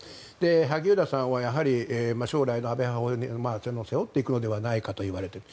萩生田さんは将来の安倍派を背負っていくのではないかといわれている。